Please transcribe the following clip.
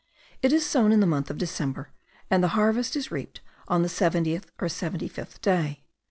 It is sown in the month of December, and the harvest is reaped on the seventieth or seventy fifth day.